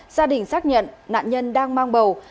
gia đình xác nhận nạn nhân đang mang bầu